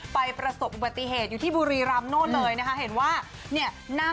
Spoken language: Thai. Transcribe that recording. ไปประสบุบัติเหตุอยู่ที่บุรีรับโน้นเลยเห็นว่า